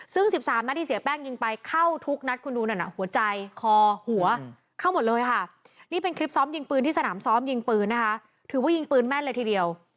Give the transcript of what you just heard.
ซึ่ง๑๓นัดที่เสียแป้งยิงไปเข้าทุกนัดคุณดูนั่นน่ะหัวใจคอหัวเข้าหมดเลยค่ะนี่เป็นคลิปซ้อมยิงปืนที่สนามซ้อมยิงปืนนะคะถือว่ายิงปืนแม่นเลยทีเดียว